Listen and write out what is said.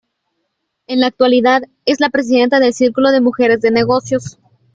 En la actualidad, es la presidenta del Círculo de Mujeres de Negocios.